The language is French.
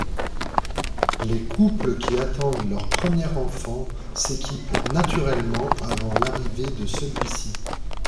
Les couples qui attendent leur premier enfant s’équipent naturellement avant l’arrivée de celui-ci.